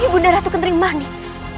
ibu darah tuken ringmanit